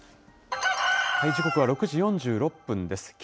時刻は６時４６分です。